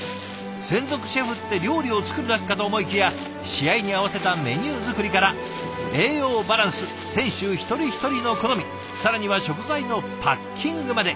専属シェフって料理を作るだけかと思いきや試合に合わせたメニュー作りから栄養バランス選手一人一人の好み更には食材のパッキングまで。